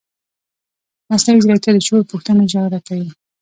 مصنوعي ځیرکتیا د شعور پوښتنه ژوره کوي.